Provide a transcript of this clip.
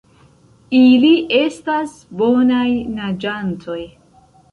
Ili estas bonaj naĝantoj.